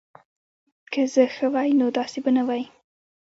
که زه ښه وای نو داسی به نه وای